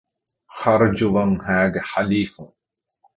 ޚަރްޖުވަންހައިގެ ޙަލީފުން